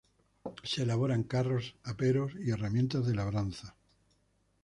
Se elaboran carros, aperos y herramientas de labranza.